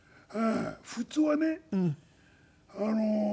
普通はね。